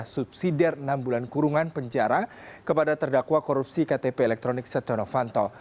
subsidiar enam bulan kurungan penjara kepada terdakwa korupsi ktp elektronik setia novanto